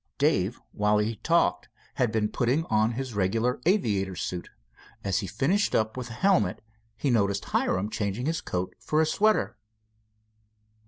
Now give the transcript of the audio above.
Dave, while he talked, had been putting on his regular aviator's suit. As he finished up with a helmet, he noticed Hiram changing his coat for a sweater.